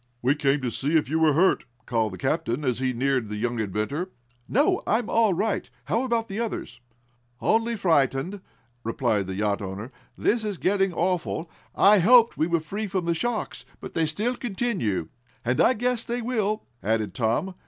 "We came to see if you were hurt," called the captain, as he neared the young inventor. "No, I'm all right. How about the others?" "Only frightened," replied the yacht owner. "This is getting awful. I hoped we were free from the shocks, but they still continue." "And I guess they will," added Tom.